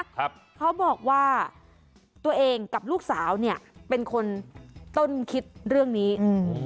เขาบอกว่าตัวเองกับลูกสาวเนี้ยเป็นคนต้นคิดเรื่องนี้อืม